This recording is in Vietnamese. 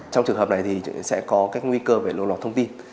trong trường hợp này thì sẽ có các nguy cơ về lộ lọt thông tin